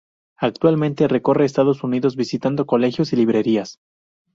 Actualmente recorre Estados Unidos visitando colegios y librerías.